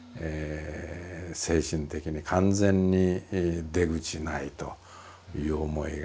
精神的に完全に出口ないという思いが。